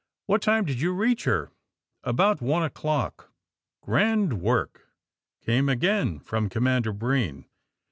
'^What time did you reach her?" '* About one o'clock." ^^ Grand work!" came again from Commander Breen.